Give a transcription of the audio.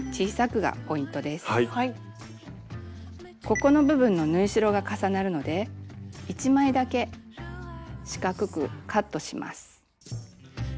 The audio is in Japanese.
ここの部分の縫い代が重なるので１枚だけ四角くカットします。